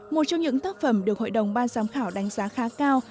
một trong những tác phẩm được hội đồng ban giám khảo đánh giá khá cao